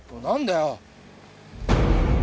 何だよ？